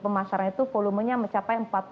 pemasaran itu volumenya mencapai empat puluh lima